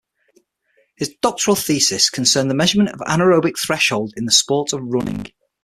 His doctoral thesis concerned the measurement of anaerobic threshold in the sport of running.